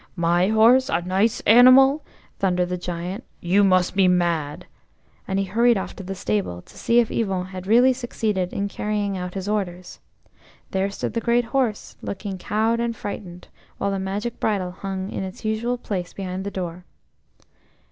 "My horse a nice animal?" thundered the Giant. "You must be mad!" And he hurried off to the stable to see if Yvon had really succeeded in carrying out his orders. There stood the great horse, looking cowed and frightened, while the magic bridle hung in its usual place behind the door.